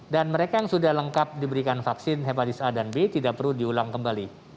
dan mereka yang sudah lengkap diberikan vaksin hepatitis a dan b tidak perlu diulang kembali